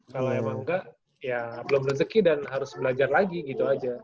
kalau emang enggak ya belum rezeki dan harus belajar lagi gitu aja